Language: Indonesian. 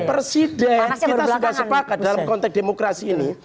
presiden kita sudah sepakat dalam konteks demokrasi ini